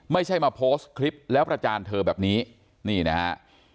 ไม่ใช่มาโพสต์คลิปแล้วประจานเธอแบบนี้นี่นะฮะ